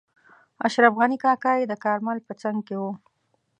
اشرف غني کاکا یې د کارمل په څنګ کې وو.